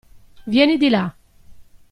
Vieni di là.